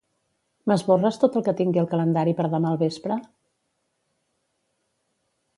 M'esborres tot el que tingui al calendari per demà al vespre?